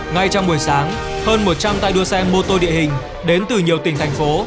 ngay trong buổi sáng hơn một trăm linh tay đua xe mô tô địa hình đến từ nhiều tỉnh thành phố